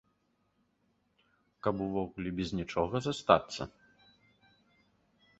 Каб увогуле без нічога застацца?